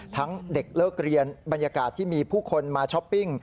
เด็กเลิกเรียนบรรยากาศที่มีผู้คนมาช้อปปิ้ง